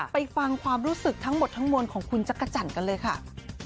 ฟังความรู้สึกทั้งหมดทั้งมวลของคุณจักรจันทร์กันเลยค่ะ